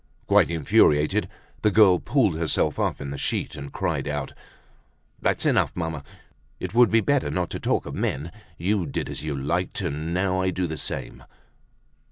Quite infuriated, the girl pulled herself up in the sheet, and cried out: "That's enough, mamma. It would be better not to talk of men. You did as you liked, and now I do the same!"